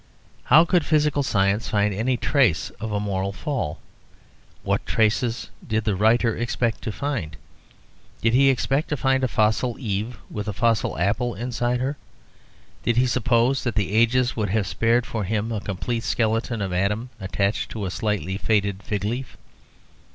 How could physical science find any traces of a moral fall? What traces did the writer expect to find? Did he expect to find a fossil Eve with a fossil apple inside her? Did he suppose that the ages would have spared for him a complete skeleton of Adam attached to a slightly faded fig leaf?